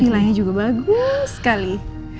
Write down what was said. vilanya juga bagus sekali